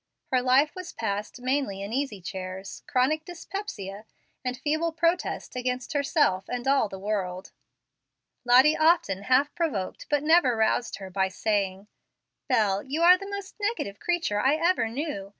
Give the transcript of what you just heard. Her life was passed mainly in easy chairs, chronic dyspepsia, and feeble protest against herself and all the world. Lottie often half provoked but never roused her by saying: "Bel, you are the most negative creature I ever knew.